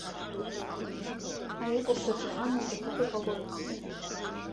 Аепосаҿы ан лҿаҳәатәы ҟалоит.